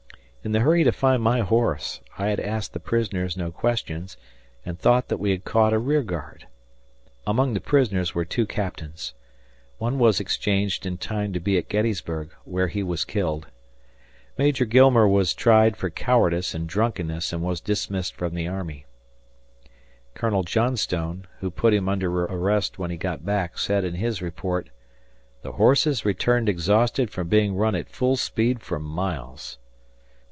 In the hurry to find my horse, I had asked the prisoners no questions and thought that we had caught a rear guard. Among the prisoners were two captains. One was exchanged in time to be at Gettysburg, where he was killed. Major Gilmer was tried for cowardice and drunkenness and was dismissed from the army. Colonel Johnstone, who put him under arrest when he got back, said in his report, "The horses returned exhausted from being run at full speed for miles."